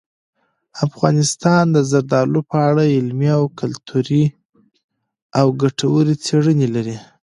افغانستان د زردالو په اړه علمي او ګټورې څېړنې لري.